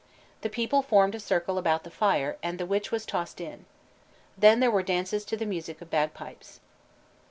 The people formed a circle about the fire, and the witch was tossed in. Then there were dances to the music of bag pipes.